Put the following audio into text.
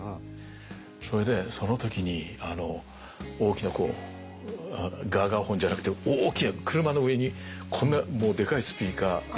それでその時に大きなこうガーガーホンじゃなくて大きな車の上にこんなでかいスピーカー。